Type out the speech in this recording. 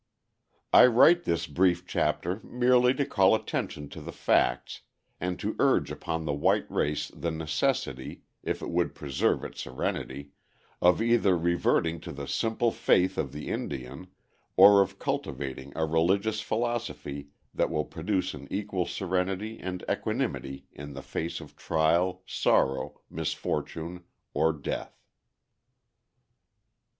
I write this brief chapter merely to call attention to the facts, and to urge upon the white race the necessity, if it would preserve its serenity, of either reverting to the simple faith of the Indian, or of cultivating a religious philosophy that will produce an equal serenity and equanimity in the face of trial, sorrow, misfortune or death.